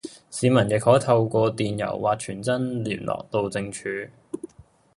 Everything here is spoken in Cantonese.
市民亦可透過電郵或傳真聯絡路政署